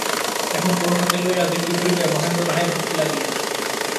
এখন করুণাকে লইয়া যে কী করিবে মহেন্দ্র তাহাই ভাবিতে লাগিল।